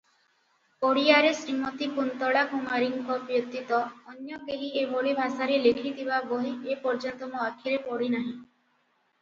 ଓଡ଼ିଆରେ ଶ୍ରୀମତୀ କୁନ୍ତଳା କୁମାରୀଙ୍କ ବ୍ୟତୀତ ଅନ୍ୟ କେହି ଏଭଳି ଭାଷାରେ ଲେଖିଥିବା ବହି ଏପର୍ଯ୍ୟନ୍ତ ମୋ ଆଖିରେ ପଡ଼ିନାହିଁ ।